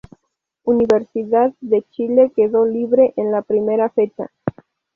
Universidad de Chile quedó libre en la primera fecha.